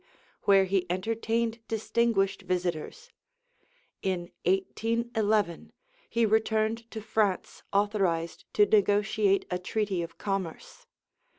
where he entertained distinguished visitors. In 1811 he returned to France authorized to negotiate a treaty of commerce.